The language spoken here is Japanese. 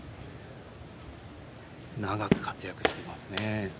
長く活躍してますね。